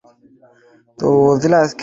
কিন্তু তুই থাকতে সে জীবিত লাশ হয়ে পড়ে আছে।